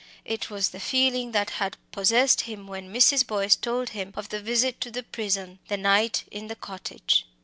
It was the feeling that had possessed him when Mrs. Boyce told him of the visit to the prison, the night in the cottage.